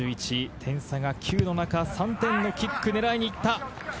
点差が９の中、３点のキックを狙いに行った。